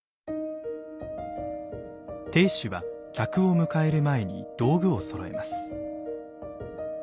亭主は客を迎える前に道具をそろえます。